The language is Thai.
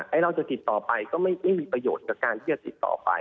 เราจะติดต่อไปก็ไม่มีประโยชน์กับการที่จะติดต่อไป